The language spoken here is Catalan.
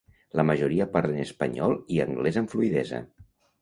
La majoria parlen espanyol i anglès amb fluïdesa.